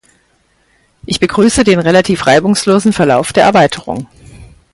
Ich begrüße den relativ reibungslosen Verlauf der Erweiterung.